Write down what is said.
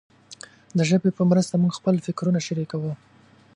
د ژبې په مرسته موږ خپل فکرونه شریکوو.